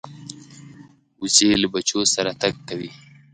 وزې له بچو سره تګ کوي